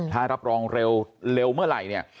ถ้ารับรองเร็วเมื่อไหร่เนี่ย